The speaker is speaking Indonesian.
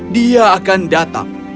dia akan datang